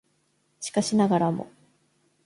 しかしながらも